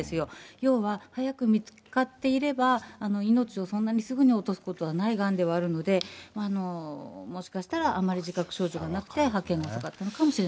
要は早く見つかっていれば、命をそんなにすぐに落とすことはないがんではあるので、もしかしたらあんまり自覚症状がなくて発見が遅かったのかもしれ